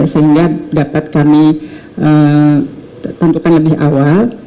sehingga dapat kami tentukan lebih awal